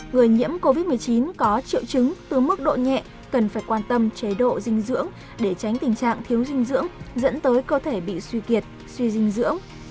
người nhiễm covid một mươi chín có triệu chứng từ mức độ nhẹ cần phải quan tâm chế độ dinh dưỡng để tránh tình trạng thiếu dinh dưỡng dẫn tới cơ thể bị suy kiệt suy dinh dưỡng